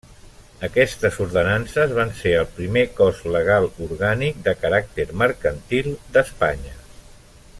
Aquestes ordenances van ser el primer cos legal orgànic de caràcter mercantil d'Espanya.